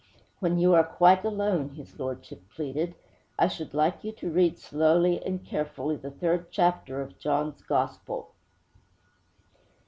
'When you are quite alone,' his lordship pleaded, 'I should like you to read slowly and carefully the third chapter of John's Gospel!'